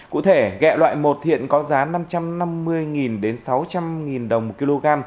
cụ thể gẹ loại một hiện có giá năm trăm năm mươi đến sáu trăm linh đồng một kg